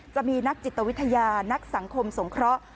จะมีนักจิตวิทยานักสังคมสงเคราะห์